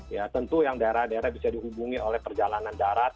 ya tentu yang daerah daerah bisa dihubungi oleh perjalanan darat